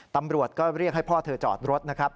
ตำรวจก็เรียกให้พ่อเธอจอดรถนะครับ